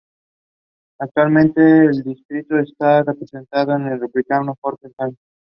Actualmente el distrito está representado por el Republicano George Holding.